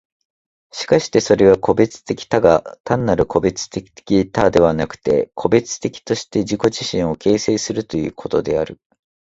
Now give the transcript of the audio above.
しかしてそれは個物的多が、単なる個物的多ではなくして、個物的として自己自身を形成するということである。